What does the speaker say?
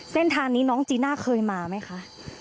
เส้นทางนี้น้องจีน่าเคยมาไหมคะ